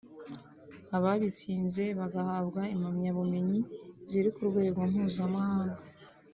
ababitsinze bagahabwa impamyabumenyi ziri ku rwego mpuzamahanga